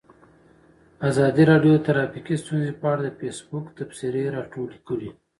ازادي راډیو د ټرافیکي ستونزې په اړه د فیسبوک تبصرې راټولې کړي.